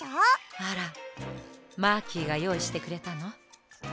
あらマーキーがよういしてくれたの？